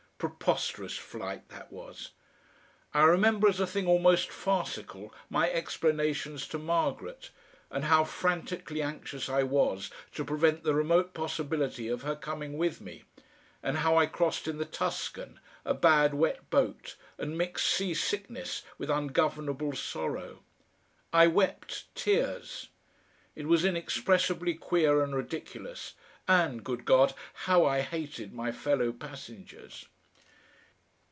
Preposterous flight that was! I remember as a thing almost farcical my explanations to Margaret, and how frantically anxious I was to prevent the remote possibility of her coming with me, and how I crossed in the TUSCAN, a bad, wet boat, and mixed seasickness with ungovernable sorrow. I wept tears. It was inexpressibly queer and ridiculous and, good God! how I hated my fellow passengers!